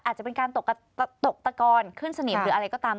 อาจจะเป็นการตกตะกอนขึ้นสนิมหรืออะไรก็ตาม